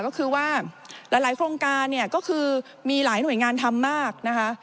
ก็คือว่าหลายโครงการเนี่ยก็คือมีหลายหน่วยงานทำมากนะคะ